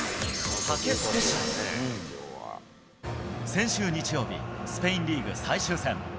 先週日曜日、スペインリーグ最終戦。